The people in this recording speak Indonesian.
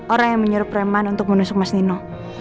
orang yang menyuruh preman untuk menusuk mas nino